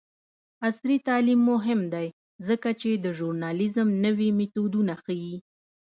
عصري تعلیم مهم دی ځکه چې د ژورنالیزم نوې میتودونه ښيي.